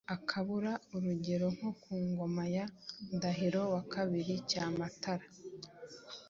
akabura rugero nko ku ngoma ya Ndahiro wakabiri Cyamatara,